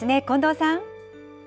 近藤さん。